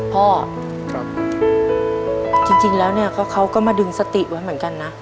จริงแล้วเนี่ยเขาก็มาดึงสติไว้เหมือนกันนะ